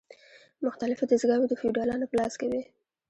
مختلفې دستګاوې د فیوډالانو په لاس کې وې.